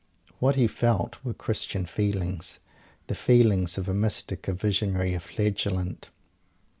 What he felt were Christian feelings, the feelings of a Mystic, a Visionary, a Flagellant.